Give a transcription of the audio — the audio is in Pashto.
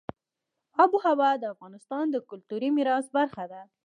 آب وهوا د افغانستان د کلتوري میراث برخه ده.